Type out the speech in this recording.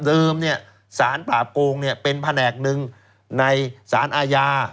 เดิมศาลปราบโกงเป็นแผนกหนึ่งในศาลอาญา